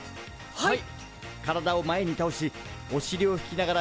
はい！